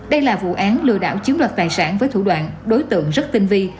đây là vụ án lừa đảo chiếm đoạt tài sản với thủ đoạn đối tượng rất tinh vi